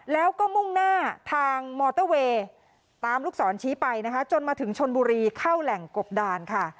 แล้วก็มุ่งหน้าทางมอเตอร์เวย์ตามลูกศรชี้ไปนะคะจนมาถึงชนบุรีเข้าแหล่งกบดานค่ะ